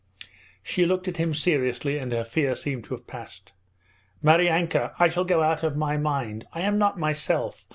She looked at him seriously and her fear seemed to have passed. 'Maryanka, I shall go out of my mind! I am not myself.